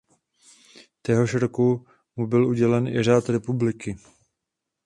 Téhož roku mu byl udělen i Řád republiky.